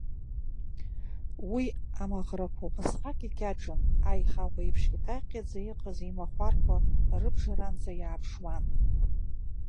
Уи амаӷрақәа убасҟак икьаҿын, аихаӷә еиԥш иҟьаҟьаӡа иҟаз имахәарқәа рыбжаранӡа иааԥшуан.